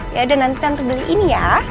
yaudah nanti tante beli ini ya